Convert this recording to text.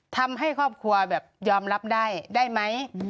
ทำให้ครอบครัวแบบยอมรับได้ได้ไหม